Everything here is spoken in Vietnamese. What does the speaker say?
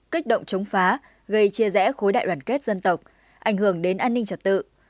kích động chống phá gây chia rẽ khối đại đoàn kết dân tộc ảnh hưởng đến an ninh trật tự